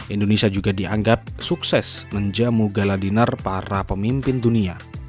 indonesia juga dianggap sukses menjamu galadinar para pemimpin dunia